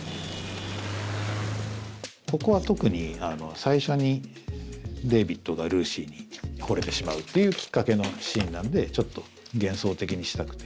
ここは特に最初にデイビッドがルーシーに惚れてしまうっていうきっかけのシーンなんでちょっと幻想的にしたくて。